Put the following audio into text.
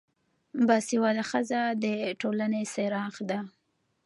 با سواده ښځه دټولنې څراغ ده